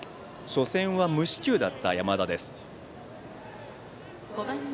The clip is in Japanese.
初戦は無四球だった山田です。